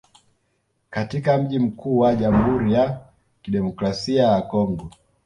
katika mji mkuu wa Jamhuri ya Kidemokrasia ya Kongo